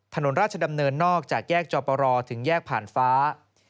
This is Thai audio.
ถนนราชดำเนินนอกจากแยกจอปรถึงแยกผ่านฟ้า